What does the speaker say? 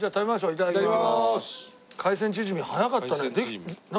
いただきます。